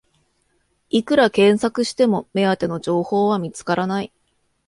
いくら検索しても目当ての情報は見つからない